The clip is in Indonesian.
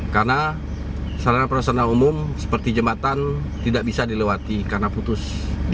karena sarana perusahaan umum seperti jembatan tidak bisa dilewati karena putus